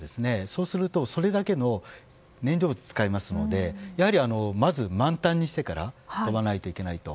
そうすると、それだけの燃料を使うのでやはり、まず満タンにしてから飛ばないといけないと。